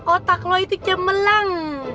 otak lo itu cermelang